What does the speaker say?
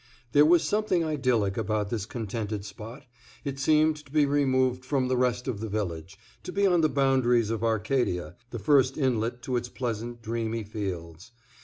There was something idyllic about this contented spot; it seemed to be removed from the rest of the village, to be on the boundaries of Arcadia, the first inlet to its pleasant, dreamy fields.